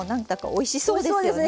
おいしそうですね。